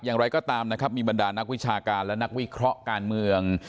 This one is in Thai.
อย่างไรก็ตามนะครับมีบรรดานักวิชาการและนักวิเคราะห์การเมือง